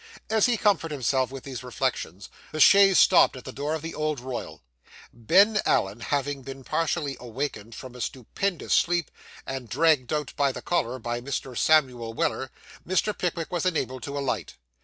As he comforted himself with these reflections, the chaise stopped at the door of the Old Royal. Ben Allen having been partially awakened from a stupendous sleep, and dragged out by the collar by Mr. Samuel Weller, Mr. Pickwick was enabled to alight.